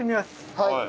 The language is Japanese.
はい。